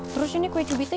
terus ini kue cubitnya